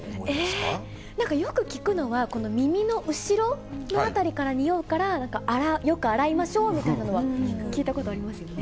なんか、よく聞くのは、この耳の後ろのあたりからにおうから、なんか、よく洗いましょうみたいなのは聞いたことありますよね。